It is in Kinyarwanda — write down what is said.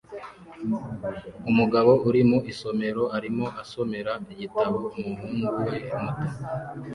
Umugabo uri mu isomero arimo asomera igitabo umuhungu we muto